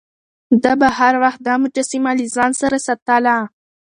ده به هر وخت دا مجسمه له ځان سره ساتله.